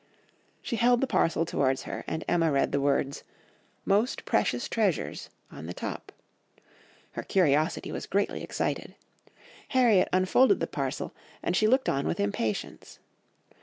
"She held the parcel towards her and Emma read the words, 'Most precious treasures' on the top. Her curiosity was greatly excited. Harriet unfolded the parcel and she looked on with impatience.